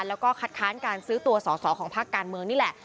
แล้วก็คัดค้านการซื้อตัวสอสอของภาคการเมืองนี่แหละ